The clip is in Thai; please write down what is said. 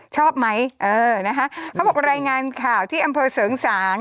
ชอบไหมเออนะคะเขาบอกรายงานข่าวที่อำเภอเสริงสาง